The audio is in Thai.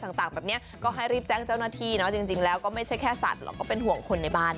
ต่างแบบนี้ก็ให้รีบแจ้งเจ้าหน้าที่เนาะจริงแล้วก็ไม่ใช่แค่สัตว์หรอกก็เป็นห่วงคนในบ้าน